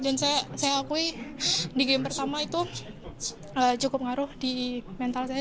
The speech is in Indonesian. dan saya akui di game pertama itu cukup ngaruh di mental saya